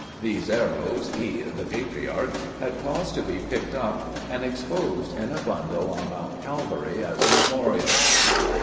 These arrows he (the patriarch) had caused to be picked up, and exposed in a bundle on Mount Calvary as a memorial."